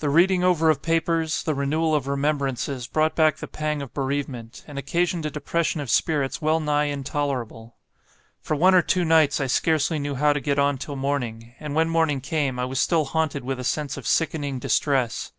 The reading over of papers, the renewal of remembrances brought back the pang of bereavement, and occasioned a depression of spirits well nigh intolerable. For one or two nights, I scarcely knew how to get on till morning; and when morning came, I was still haunted with a sense of sickening distress.